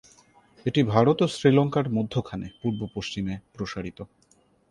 এটি ভারত ও শ্রীলঙ্কার মধ্যখানে পূর্ব-পশ্চিমে প্রসারিত।